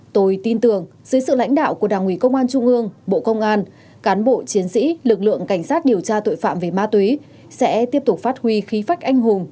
tôi tin tưởng dưới sự lãnh đạo của đảng ủy công an trung ương bộ công an cán bộ chiến sĩ lực lượng cảnh sát điều tra tội phạm về ma túy sẽ tiếp tục phát huy khí phách anh hùng